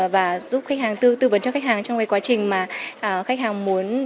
và giúp khách hàng tư vấn cho khách hàng trong quá trình mà khách hàng muốn